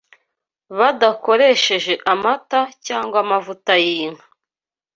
badakoresheje amata cyangwa amavuta y’inka